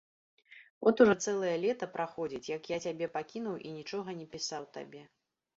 От ужо цэлае лета праходзіць, як я цябе пакінуў і нічога не пісаў табе.